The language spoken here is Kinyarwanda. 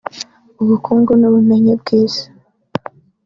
ubukungu n’ubumenyi bw’isi